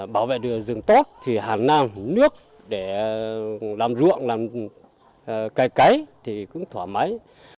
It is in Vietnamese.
bảo vệ được rừng tốt thì hàn năng hủ nước để làm ruộng làm cây cấy thì cũng thoải mái